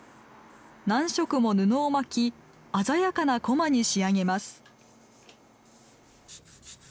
何色も布を巻き鮮やかなこまに仕上げます。